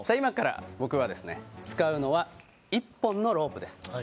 今から僕が使うのは１本のロープです。